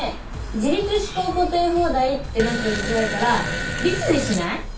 「自律思考固定砲台」ってなんか呼びづらいから「律」にしない？